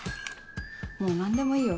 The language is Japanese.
もう何でもいいよ